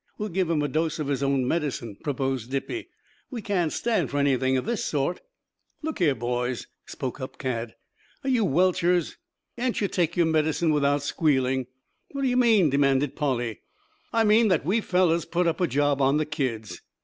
We'll give him a dose of his own medicine," proposed Dippy. "We can't stand for anything of this sort." "Look here, boys," spoke up Cad. "Are you welchers? Can't you take your medicine without squealing?" "What do you meant" demanded Polly. "I mean that we fellows put up a job on the kids.